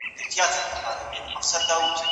له حاصله یې